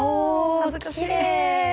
恥ずかしい。